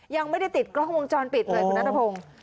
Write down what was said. ยังไม่ได้ติดกล้องวงจรปิดเลยคุณนัทพงศ์